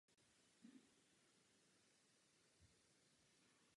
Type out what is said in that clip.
Režisérem filmu je Andy Wilson.